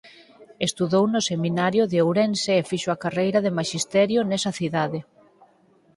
Estudou no seminario de Ourense e fixo a carreira de maxisterio nesa cidade.